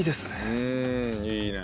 うんいいね。